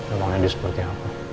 emangnya dia seperti apa